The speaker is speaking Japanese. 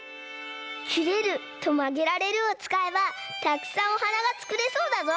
「きれる」と「まげられる」をつかえばたくさんおはながつくれそうだぞ！